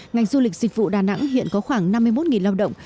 ngành du lịch dịch vụ đà nẵng hiện có khoảng năm mươi một lao động